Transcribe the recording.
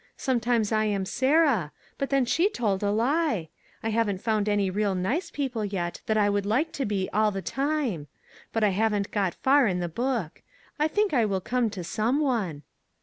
Sometimes I am Sarah; but then she told a lie! I haven't found any real nice people yet that I would like to be, all the time. But I haven't got far in the book. I think I will come to some one."